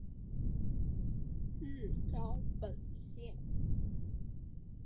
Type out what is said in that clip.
日高本线。